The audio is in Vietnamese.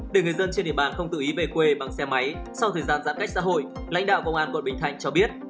để người dân trên địa bàn không tự ý về quê bằng xe máy sau thời gian giãn cách xã hội lãnh đạo công an quận bình thạnh cho biết